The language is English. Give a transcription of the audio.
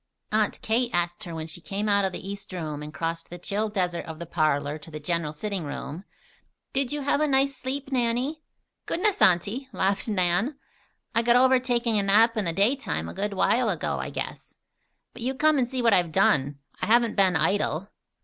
Aunt Kate asked her when she came out of the east room and crossed the chill desert of the parlor to the general sitting room: "Did you have a nice sleep, Nannie?" "Goodness, Auntie!" laughed Nan. "I got over taking a nap in the daytime a good while ago, I guess. But you come and see what I have done. I haven't been idle."